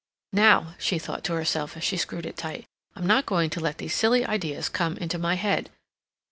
"Now," she thought to herself, as she screwed it tight, "I'm not going to let these silly ideas come into my head....